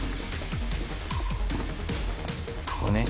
ここね。